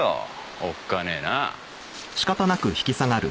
おっかねえな。